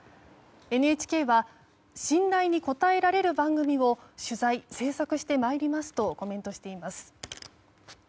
ＮＨＫは信頼に応えられる番組を取材・制作してまいりますとコメントしています。